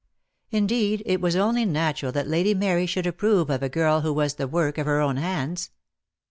Indeed, it was only natural that Lady Mary should approve of a girl who was the work of her own hands.